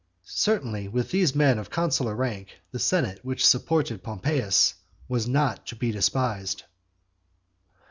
Certainly with these men of consular rank, the senate which supported Pompeius was not to be despised.